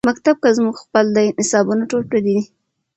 مکتب کۀ زمونږ خپل دے نصابونه ټول پردي دي